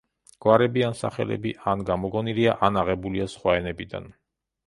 გვარები ან სახელები ან გამოგონილია, ან აღებულია სხვა ენებიდან.